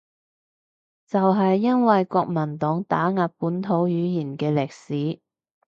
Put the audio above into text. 就係因為國民黨打壓本土語言嘅歷史